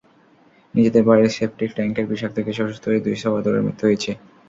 নিজেদের বাড়ির সেপটিক ট্যাংকের বিষাক্ত গ্যাসে অসুস্থ হয়ে দুই সহোদরের মৃত্যু হয়েছে।